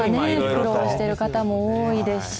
苦労している方も多いですし、